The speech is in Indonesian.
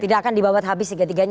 tidak akan dibabat habis ketiganya ya